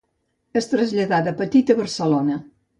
Es traslladà de petit a Barcelona.